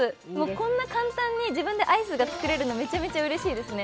こんな簡単に自分でアイスが作れるの、うれしいですね。